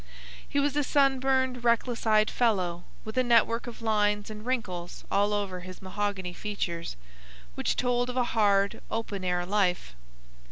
He was a sunburned, reckless eyed fellow, with a network of lines and wrinkles all over his mahogany features, which told of a hard, open air life.